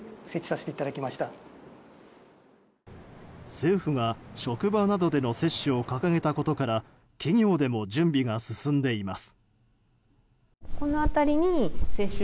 政府が、職場などでの接種を掲げたことから企業でも準備が進んでいます。